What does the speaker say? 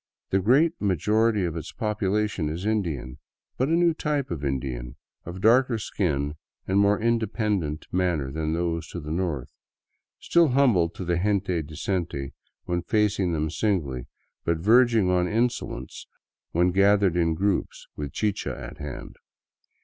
The great majority of its population is Indian, but a new type of Indian, of darker skin and more independent manner than those to the north, still humble to the gente decente when facing them singly, but verging on insolence when gathered in groups with chicha at hand.